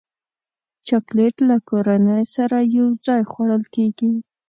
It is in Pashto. چاکلېټ له کورنۍ سره یوځای خوړل کېږي.